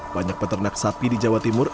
banyak peternak sapi di jawa timur